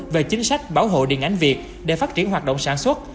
về chính sách bảo hộ điện ảnh việt để phát triển hoạt động sản xuất